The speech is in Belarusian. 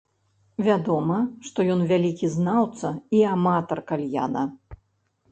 Вядома, што ён вялікі знаўца і аматар кальяна.